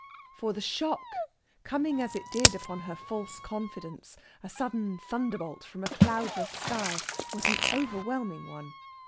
For the shock, coming as it did upon her false confidence a sudden thunderbolt from a cloudless sky was an overwhelming one.